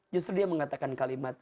justru dia mengatakan kalimat